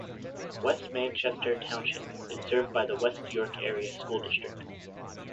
West Manchester Township is served by the West York Area School District.